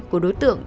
của đối tượng